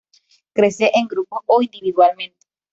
Crece en grupos o individualmente.